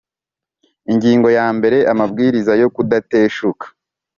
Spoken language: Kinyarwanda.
Ingingo yambere Amabwiriza yo kudateshuka